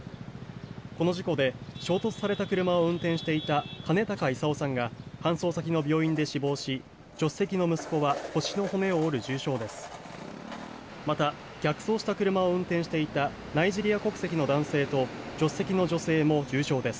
この事故で衝突された車を運転していた金高勲さんが搬送先の病院で死亡し助手席の息子は腰の骨を折る重傷です。